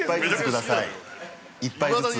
◆１杯ずつ。